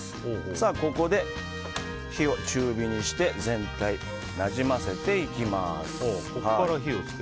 ここで火を中火にして全体になじませていきます。